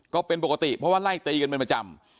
ก็เป็นปกติเพราะว่าไล่ตีกันเป็นประจำ